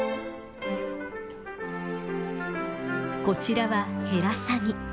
こちらはヘラサギ。